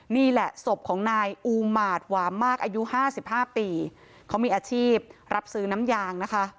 นี่แหละศพของนายอูมาร์ดหวามมากอายุ๕๕ปีเขามีอาชีพรับซื้อน้ำยาง